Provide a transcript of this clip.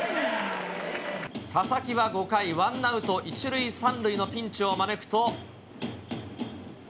佐々木は５回、ワンアウト１塁３塁のピンチを招くと。